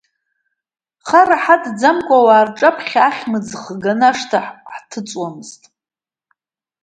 Хара ҳадӡамкәа, ауаа рҿаԥхьа, ахьымӡӷ ганы ашҭа ҳҭыҵуамызт.